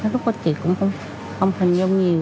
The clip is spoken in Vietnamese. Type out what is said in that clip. lúc đó chị cũng không hình dung nhiều